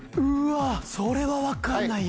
それは分かんないや。